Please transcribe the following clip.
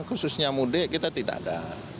khususnya mudik kita tidak ada